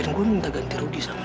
dan gue minta ganti rugi sama dia